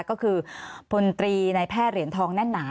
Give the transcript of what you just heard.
ก็คือพลตรีในแพทย์เหรียญทองแน่นหนา